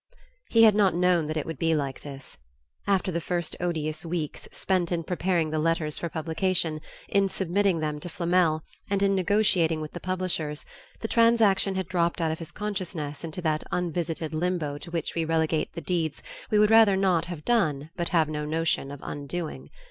He had not known that it would be like this. After the first odious weeks, spent in preparing the letters for publication, in submitting them to Flamel, and in negotiating with the publishers, the transaction had dropped out of his consciousness into that unvisited limbo to which we relegate the deeds we would rather not have done but have no notion of undoing.